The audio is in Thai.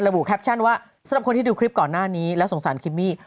บุแคปชั่นว่าสำหรับคนที่ดูคลิปก่อนหน้านี้แล้วสงสารคิมมี่